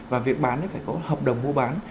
và việc bán phải có hợp đồng mua bán